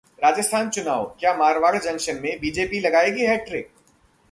राजस्थान चुनाव: क्या मारवाड़ जंक्शन में बीजेपी लगाएगी हैट्रिक?